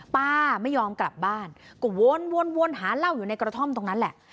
ป้าไม่ยอมกลับบ้านก็วนหาเหล้าอยู่ในกระท่อมตรงนั้นแหละ